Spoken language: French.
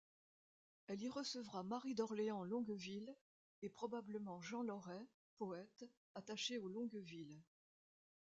Elle y recevra Marie d'Orléans-Longueville et probablement Jean Loret, poète, attaché aux Longueville.